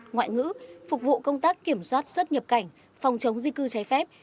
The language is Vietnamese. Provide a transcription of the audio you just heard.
ngoại ngữ phục vụ công tác kiểm soát xuất nhập cảnh phòng chống di cư trái phép